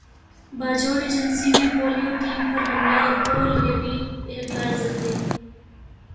Bajaur agency میں polio team پر حملہ دو لیوی اہلکار زخمی